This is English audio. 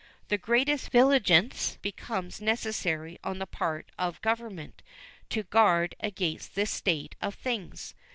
The greatest vigilance becomes necessary on the part of Government to guard against this state of things.